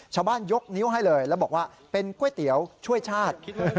ยกนิ้วให้เลยแล้วบอกว่าเป็นก๋วยเตี๋ยวช่วยชาติ